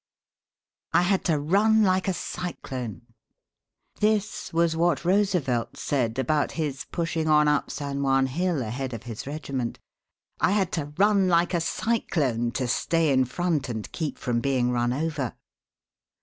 "I HAD TO RUN LIKE A CYCLONE." This was what Roosevelt said about his pushing on up San Juan Hill ahead of his regiment: "I had to run like a cyclone to stay in front and keep from being run over."